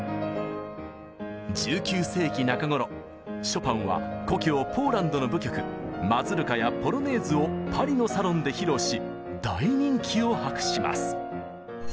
ショパンは故郷ポーランドの舞曲マズルカやポロネーズをパリのサロンで披露し大人気を博します。